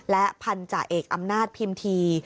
และพันธาเอกอำนาจพิมพี